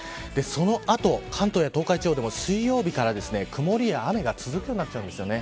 その後関東や東海地方でも水曜日から曇りや雨が続くようになっちゃうんです。